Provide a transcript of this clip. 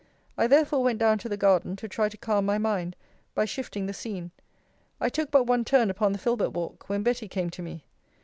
I therefore went down to the garden, to try to calm my mind, by shifting the scene. I took but one turn upon the filbert walk, when Betty came to me.